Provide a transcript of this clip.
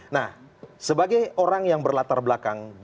nah sebagai orang yang berlatar belakang dari dunia ini